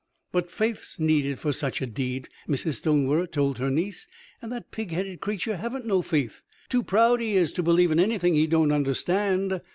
"But faith's needed for such a deed," Mrs. Stonewer told her niece; "and that pig headed creature haven't no faith. Too proud, he is, to believe in anything he don't understand.